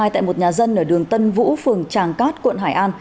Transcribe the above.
tại một nhà dân ở đường tân vũ phường tràng cát quận hải an